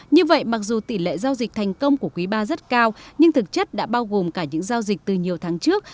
như vậy mặc dù tỷ lệ giao dịch thành công của quý ba rất cao nhưng thực chất đã bao gồm cả những giao dịch từ nhiều tháng trước